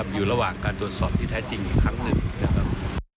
อยู่ระหว่างการตรวจสอบที่แท้จริงอีกครั้งหนึ่งนะครับ